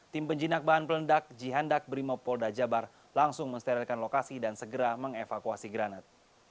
tim penjinak bahan pelendak jihan dak brimob polda jabar langsung mensterilkan lokasi dan segera mengevakuasi granat